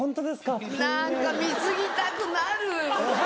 何か貢ぎたくなる。